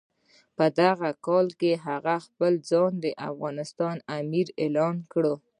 په دغه کال هغه خپل ځان د افغانستان امیر اعلان کړ.